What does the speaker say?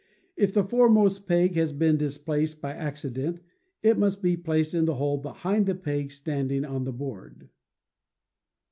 If the foremost peg has been displaced by accident, it must be placed in the hole behind the peg standing on the board.